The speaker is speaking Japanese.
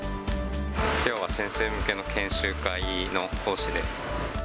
きょうは先生向けの研修会の講師で。